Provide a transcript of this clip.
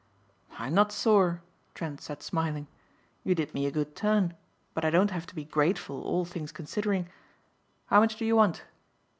"I'm not sore," Trent said smiling. "You did me a good turn but I don't have to be grateful all things considering. How much do you want?"